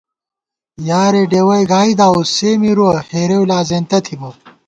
یارے ڈېوَئی گائی داؤس ، سے مِرُوَہ، ہېرېؤ لا زېنتہ تھِبہ